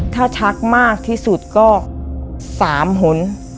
ถ้าชักมากที่สุดก็๓หน